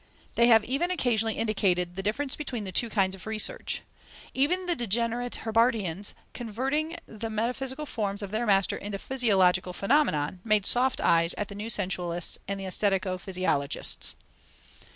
They have even occasionally indicated the difference between the two kinds of research. Even the degenerate Herbartians, converting the metaphysical forms of their master into physiological phenomena, made soft eyes at the new sensualists and aesthetico physiologists.